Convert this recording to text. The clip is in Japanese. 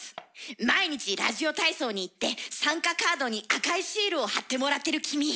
毎日ラジオ体操に行って参加カードに赤いシールを貼ってもらってる君！